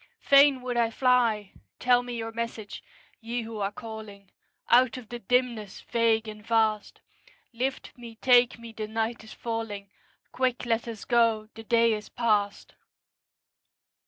Fain would I fly! Tell me your message, Ye who are calling Out of the dimness vague and vast; Lift me, take me, the night is falling; Quick, let us go, the day is past.